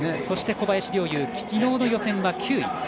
そして小林陵侑昨日の予選は９位。